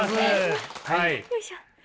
よいしょ。